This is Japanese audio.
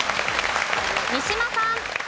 三島さん。